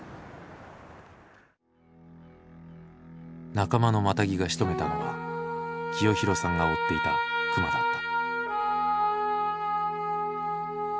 仲間のマタギがしとめたのは清弘さんが追っていた熊だった。